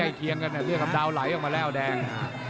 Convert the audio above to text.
ใกล้เคียงกันเพื่อกับดาวไหลออกมาแล้วแดง